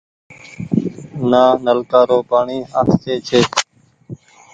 نآ نلڪآ رو پآڻيٚ آستي ڇي ۔